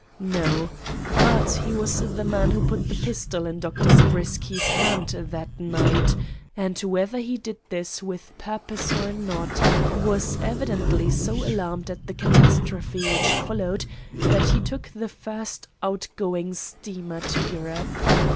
No; but he was the man who put the pistol in Dr. Zabriskie's hand that night, and, whether he did this with purpose or not, was evidently so alarmed at the catastrophe which followed that he took the first outgoing steamer to Europe.